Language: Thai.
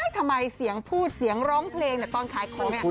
ทำไมเสียงพูดเสียงร้องเพลงตอนขายของ